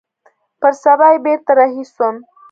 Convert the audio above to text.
پر سبا يې بېرته رهي سوم.